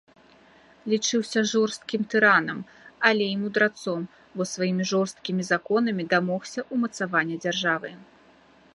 Лічыўся жорсткім тыранам, але і мудрацом, бо сваімі жорсткімі законамі дамогся ўмацавання дзяржавы.